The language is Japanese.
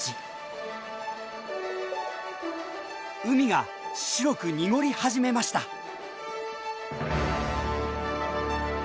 海が白く濁り始めました。